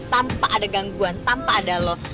tanpa ada gangguan tanpa ada lo